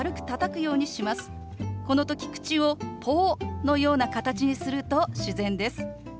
この時口を「ポー」のような形にすると自然です。